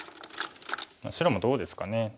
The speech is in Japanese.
白もどうですかね。